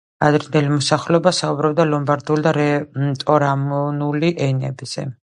ადრინდელი მოსახლეობა საუბრობდა ლომბარდიულ და რეტორომანული ენებზე.